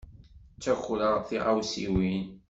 Ttakreɣ tiɣawsiwin.